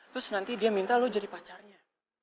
terus nanti dia minta lo jadi pacarnya